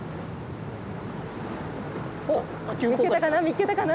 おっみっけたかな？